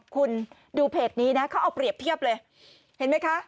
คุณดูเพจนี้นะเขาเอาเปรียบเทียบเลยเห็นไหมคะ